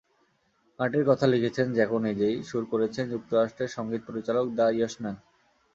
গানটির কথা লিখেছেন জ্যাকো নিজেই, সুর করেছেন যুক্তরাষ্ট্রের সংগীত পরিচালক দ্য ইয়শম্যান।